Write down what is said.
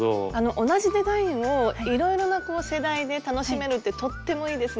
同じデザインをいろいろな世代で楽しめるってとってもいいですね。